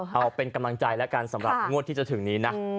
เอาเป็นกำลังใจแล้วกันสำหรับงวดที่จะถึงนี้นะ